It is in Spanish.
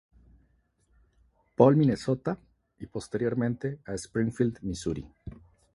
Paul, Minnesota, y posteriormente a Springfield, Misuri.